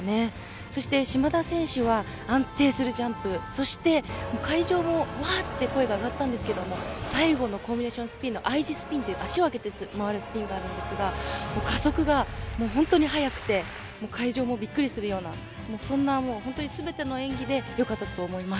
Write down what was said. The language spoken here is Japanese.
そして島田選手は安定するジャンプ、そして会場も声があがったんですけど最後のコンビネーションスピンのＩ字スピン加速が本当に速くて会場もびっくりするような全ての演技でよかったと思います。